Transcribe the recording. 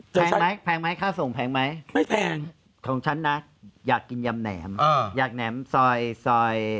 แพงไหมแพงไหมค่าส่งแพงไหมไม่แพงของฉันนะอยากกินยำแหนมอยากแหนมซอยซอย